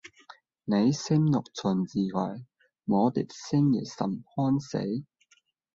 你心若存智慧，我的心也甚歡喜